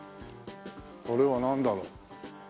これはなんだろう。